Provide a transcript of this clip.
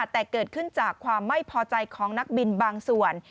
แต่เกิดขึ้นจากความไม่พอใจของนักบินบางส่วน